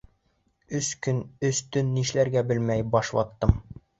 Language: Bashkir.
Өс көн, өс төн нишләргә белмәй баш ваттым.